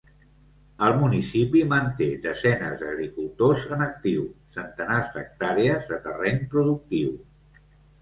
El municipi manté desenes d’agricultors en actiu, centenars d’hectàrees de terreny productiu.